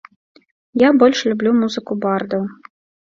Я больш люблю музыку бардаў.